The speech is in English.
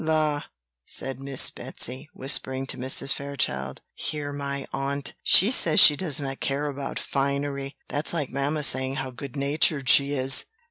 "La!" says Miss Betsy, whispering to Mrs. Fairchild "hear my aunt! she says she does not care about finery! That's like mamma saying how good natured she is!"